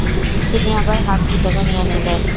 তিনি আবার হাত ভিতরে নিয়ে নিলেন।